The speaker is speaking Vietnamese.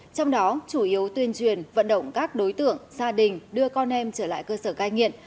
trong đó chủ yếu tuyên truyền vận động các đối tượng gia đình đưa con em trở lại cơ sở cai nghiện